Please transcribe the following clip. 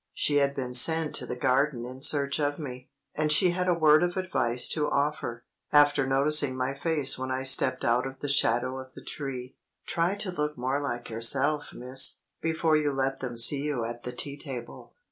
She had been sent to the garden in search of me; and she had a word of advice to offer, after noticing my face when I stepped out of the shadow of the tree: "Try to look more like yourself, miss, before you let them see you at the tea table."